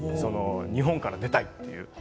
日本から出たいという。